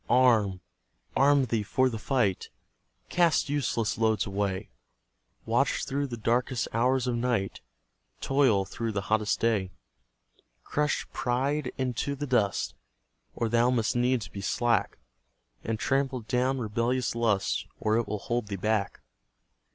Arm arm thee for the fight! Cast useless loads away; Watch through the darkest hours of night; Toil through the hottest day. Crush pride into the dust, Or thou must needs be slack; And trample down rebellious lust, Or it will hold thee back.